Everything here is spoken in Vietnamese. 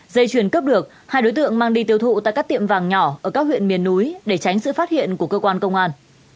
dây chuyền cướp được hai đối tượng mang đi tiêu thụ tại các tiệm vàng nhỏ ở các huyện miền núi để tránh sự phát hiện của cơ quan công an